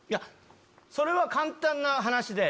それは簡単な話で。